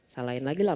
salahin lagi lah